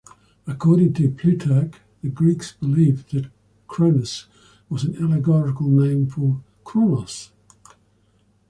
According to Plutarch, the Greeks believed that Cronus was an allegorical name for Chronos.